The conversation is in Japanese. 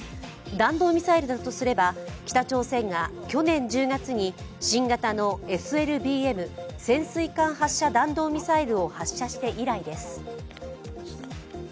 弾道ミサイルだとすれば北朝鮮が去年１０月に新型のＳＬＢＭ＝潜水艦発射弾道ミサイルを発射して以来です。